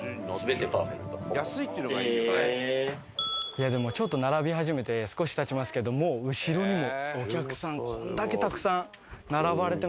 いやでもちょっと並び始めて少し経ちますけどもう後ろにもお客さん。